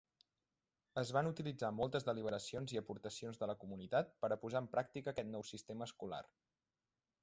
Es van utilitzar moltes deliberacions i aportacions de la comunitat per a posar en pràctica aquest nou sistema escolar.